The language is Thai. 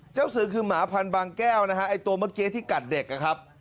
สือคือหมาพันบางแก้วนะฮะไอ้ตัวเมื่อกี้ที่กัดเด็กนะครับ